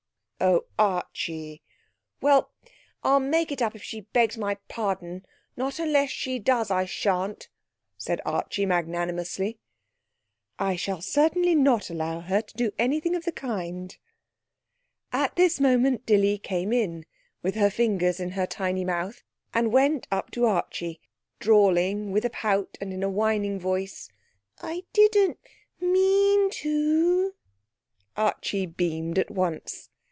'Oh, Archie!' 'Well, I'll make it up if she begs my pardon; not unless she does I sha'n't,' said Archie magnanimously. 'I shall certainly not allow her to do anything of the kind.' At this moment Dilly came in, with her finger in her tiny mouth, and went up to Archie, drawling with a pout, and in a whining voice: 'I didn't mean to.' Archie beamed at once.